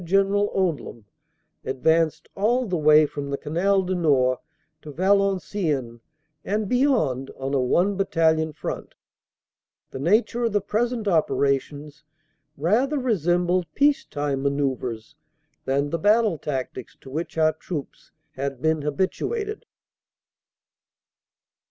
General Odium, advanced all the way from the Canal du Nord to Valenciennes and beyond on a one Battalion front the nature of the present operations rather resembled peace time manoeuvres than the battle tactics to which our troops had been habituated.